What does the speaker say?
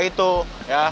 gua itu ya